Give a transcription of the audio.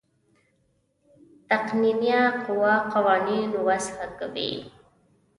تقنینیه قوه قوانین وضع کوي.